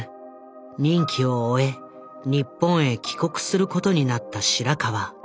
任期を終え日本へ帰国することになった白川。